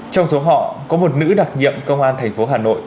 trong số họ có một nữ đặc nhiệm công an thành phố hà nội